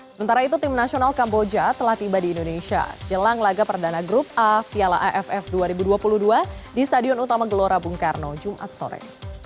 sementara itu tim nasional kamboja telah tiba di indonesia jelang laga perdana grup a piala aff dua ribu dua puluh dua di stadion utama gelora bung karno jumat sore